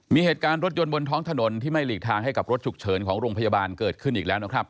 มีเหตุการณ์รถยนต์บนท้องถนนที่ไม่หลีกทางให้กับรถฉุกเฉินของโรงพยาบาลเกิดขึ้นอีกแล้วนะครับ